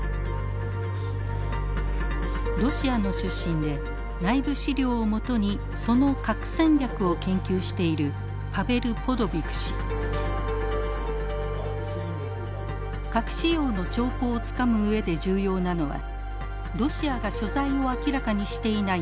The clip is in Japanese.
ロシアの出身で内部資料を基にその核戦略を研究している核使用の兆候をつかむ上で重要なのはロシアが所在を明らかにしていない